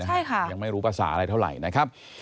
ใช่ค่ะยังไม่รู้ภาษาอะไรเท่าไหร่นะครับ